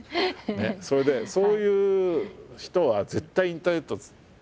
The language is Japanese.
それでそういう人は絶対インターネットを握りたいと思う。